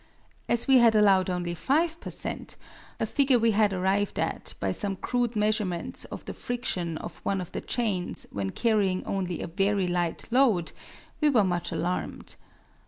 As we had allowed only 5 per cent., a figure we had arrived at by some crude measurements of the friction of one of the chains when carrying only a very light load, we were much alarmed.